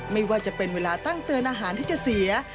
ไม่ว่าจะเป็นเวลาตั้งเตือนอาหารที่จะเสีย